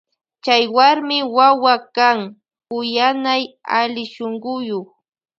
Chay warmi wawa kan kuyanay allishunkuyuk.